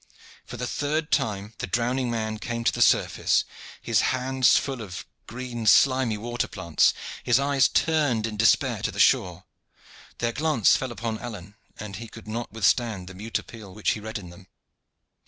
For the third time the drowning man came to the surface, his hands full of green slimy water plants, his eyes turned in despair to the shore. Their glance fell upon Alleyne, and he could not withstand the mute appeal which he read in them.